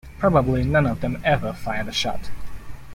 Probably none of them ever fired a shot.